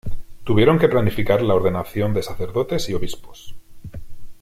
Tuvieron que planificar la ordenación de sacerdotes y obispos.